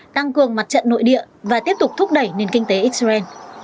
tăng cường mặt trận nội địa và tiếp tục thúc đẩy nền kinh tế israel